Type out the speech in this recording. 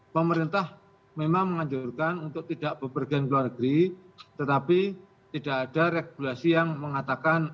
kementerian perhubungan kementerian kesehatan